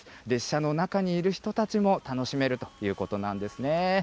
列車の中にいる人たちも楽しめるということなんですね。